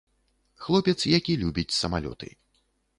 Хлопец, які любіць самалёты.